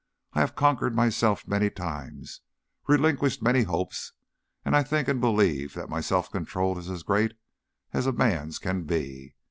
I have conquered myself many times, relinquished many hopes, and I think and believe that my self control is as great as a man's can be.